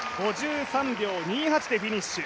５３秒２８でフィニッシュ。